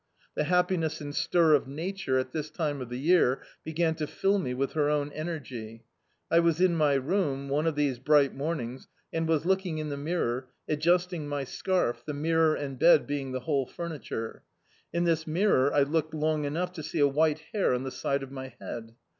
The happiness and stir of Nature, at this time of the year, began to fill me with her own energy. I was in my room, one of these bright mornings, and was looking in the mirror, adjusting my scarf — the mirror and bed being the whole fur niture. In this mirror I looked long enough to see a white hair on the side of my head.